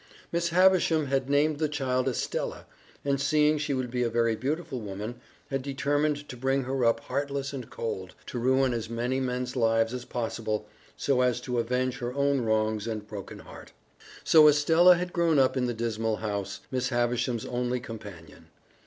Miss Havisham had named the child Estella, and, seeing she would be a very beautiful woman, had determined to bring her up heartless and cold, to ruin as many men's lives as possible, so as to avenge her own wrongs and broken heart. So Estella had grown up in the dismal house, Miss Havisham's only companion.